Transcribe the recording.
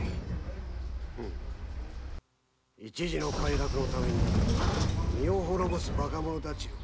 フン一時の快楽のために身を滅ぼすバカ者たちよ。